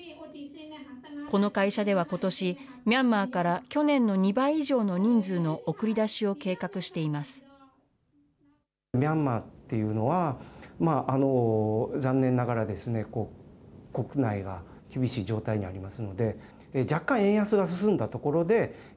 この会社ではことし、ミャンマーから去年の２倍以上の人数の送り出しを計画しています。